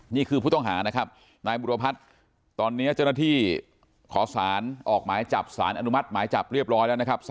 ผู้ต้องหานะครับนายบุรพัฒน์ตอนนี้เจ้าหน้าที่ขอสารออกหมายจับสารอนุมัติหมายจับเรียบร้อยแล้วนะครับ